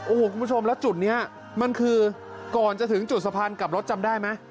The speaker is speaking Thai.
โอ้โหคุณผู้ชมแล้วจุดนี้มันคือก่อนจะถึงจุดสะพานกลับรถจำได้ไหม